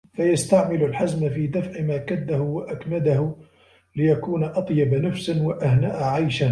فَيَسْتَعْمِلُ الْحَزْمَ فِي دَفْعِ مَا كَدَّهُ وَأَكْمَدَهُ لِيَكُونَ أَطْيَبَ نَفْسًا وَأَهْنَأَ عَيْشًا